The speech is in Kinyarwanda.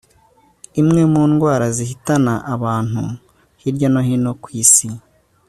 imwe mu ndwara zihitana abantu hirya no hino ku isi